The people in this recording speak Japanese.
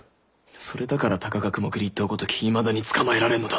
それだからたかが雲霧一党ごときいまだに捕まえられんのだ。